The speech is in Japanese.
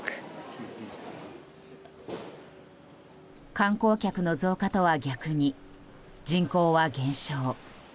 観光客の増加とは逆に人口は減少。